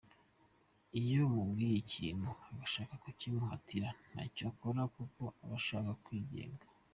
Iyo umubwiye ikintu ugashaka kukimuhatira ntacyo akora kuko aba ashaka kwigenga.